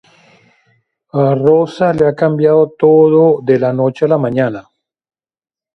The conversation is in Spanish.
A Rosa le ha cambiado todo de la noche a la mañana.